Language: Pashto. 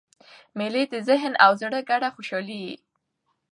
مېلې د ذهن او زړه ګډه خوشحاله يي.